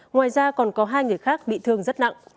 ngoài ra còn có hai người khác bị thương rất nặng